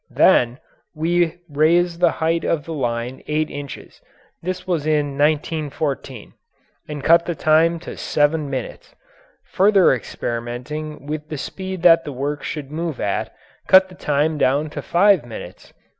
Then we raised the height of the line eight inches this was in 1914 and cut the time to seven minutes. Further experimenting with the speed that the work should move at cut the time down to five minutes.